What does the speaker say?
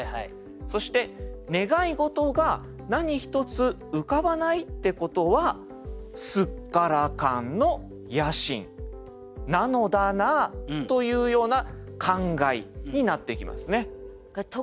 そして「願いごとが何一つ浮かばないってことはすっからかんの野心なのだなあ」というような感慨になってきますね。